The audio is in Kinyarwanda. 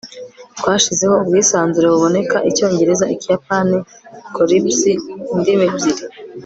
twashizeho ubwisanzure buboneka icyongereza-ikiyapani corpus indimi ebyiri